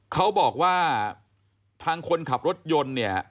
เขาบอกว่าทางคนขับรถยนต์เนี่ย